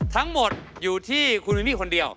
ทั้งหมดอยู่ที่คุณวินนี่คนเดียว